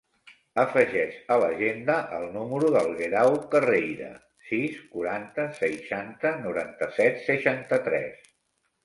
Afegeix a l'agenda el número del Guerau Carreira: sis, quaranta, seixanta, noranta-set, seixanta-tres.